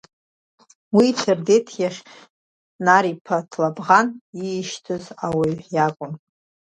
Уи Ҭердеҭ иахь Нар-иԥа Ҭлабӷан иишьҭыз ауаҩы иакәын.